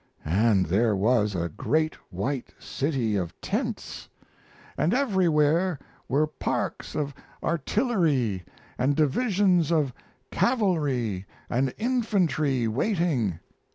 And there was a great white city of tents; and everywhere were parks of artillery and divisions of cavalry and infantry waiting.